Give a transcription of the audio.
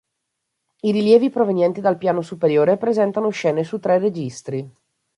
I rilievi provenienti dal piano superiore presentano scene su tre registri.